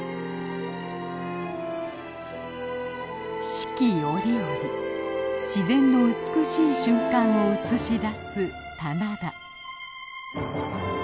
四季折々自然の美しい瞬間を映し出す棚田。